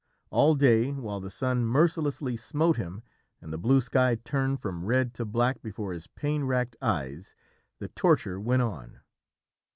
All day, while the sun mercilessly smote him and the blue sky turned from red to black before his pain racked eyes, the torture went on.